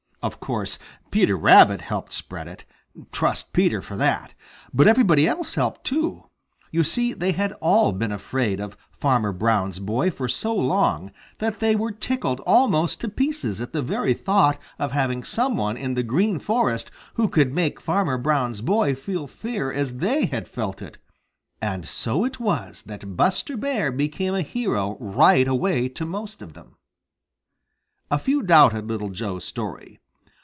Of course, Peter Rabbit helped spread it. Trust Peter for that! But everybody else helped too. You see, they had all been afraid of Farmer Brown's boy for so long that they were tickled almost to pieces at the very thought of having some one in the Green Forest who could make Farmer Brown's boy feel fear as they had felt it. And so it was that Buster Bear became a hero right away to most of them. A few doubted Little Joe's story.